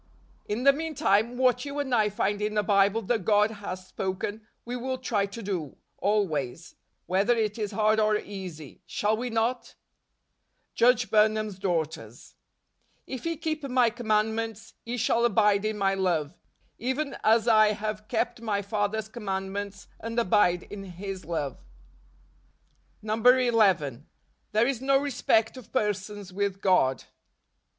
10. "In the meantime, what you and I find in the Bible that God has spoken, we will try to do, always : whether it is hard or easy. Shall we not ?" Judge Burnham's Daughters. " If ye keep my commandments , ye shall abide in my love; even as I have kept my Father's command¬ ments, and abide in his love." 11. " There is no respect of persons with God."